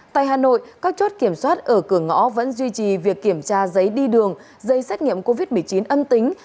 tại hà nội các chốt kiểm soát ở cửa ngõ vẫn duy trì việc kiểm tra giấy đi đường dây xét nghiệm covid một mươi chín âm tính